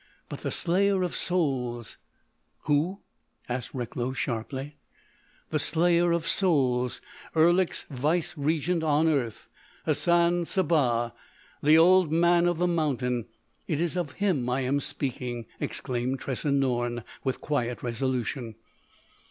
But the Slayer of Souls——" "Who?" asked Recklow sharply. "The Slayer of Souls—Erlik's vice regent on earth—Hassan Sabbah. The Old Man of the Mountain. It is of him I am speaking," exclaimed Tressa Norne—with quiet resolution.